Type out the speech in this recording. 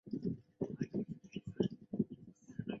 后累任至南京大理寺丞。